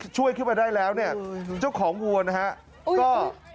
ช่วยขึ้นมาได้แล้วเจ้าของวัวนะครับ